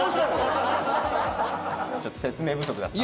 ちょっと説明不足だった。